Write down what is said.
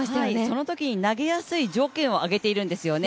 そのときに投げやすい条件を挙げているんですよね。